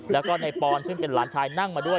แล้วก็ในปอนซึ่งเป็นหลานชายนั่งมาด้วย